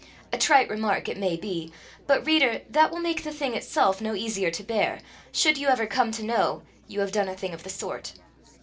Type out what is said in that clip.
a trite remark, it may be, but, reader, that will make the thing itself no easier to bear, should you ever come to know you have done a thing of the sort.